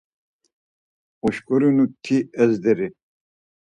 Uşkurinu, ti ezderi.